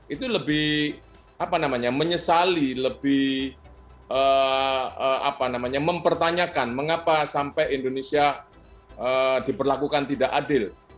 itu lebih menyesali lebih mempertanyakan mengapa sampai indonesia diperlakukan tidak adil